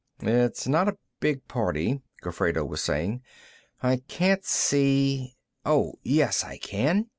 "It's not a big party," Gofredo was saying. "I can't see Oh, yes I can.